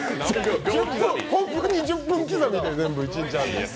本当に２０分刻みなので、全部一日半で。